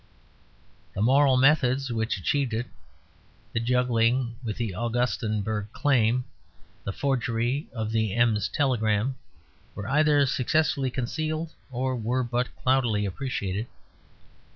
The moral methods which achieved it, the juggling with the Augustenburg claim, the forgery of the Ems telegram, were either successfully concealed or were but cloudily appreciated.